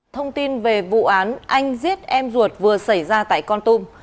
thông tin về vụ án anh giết em ruột vừa xảy ra tại con tum